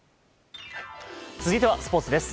続いてはスポーツです。